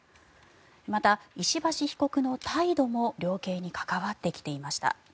また、石橋被告の態度も量刑に関わってきていました。